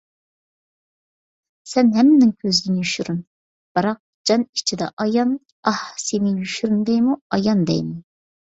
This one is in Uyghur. سەن ھەممىنىڭ كۆزىدىن يوشۇرۇن، بىراق جان ئىچىدە ئايان، ئاھ، سېنى يوشۇرۇن دەيمۇ، ئايان دەيمۇ؟